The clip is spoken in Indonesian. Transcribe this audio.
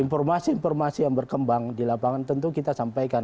informasi informasi yang berkembang di lapangan tentu kita sampaikan